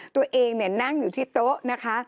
ตัวเองนั่งอยู่ที่โต๊ะนะคะ